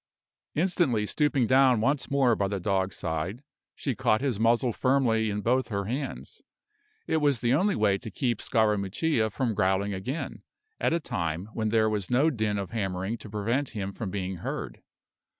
Instantly stooping down once more by the dog's side, she caught his muzzle firmly in both her hands. It was the only way to keep Scarammuccia from growling again, at a time when there was no din of hammering to prevent him from being heard.